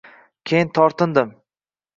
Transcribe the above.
Lekin tortindim.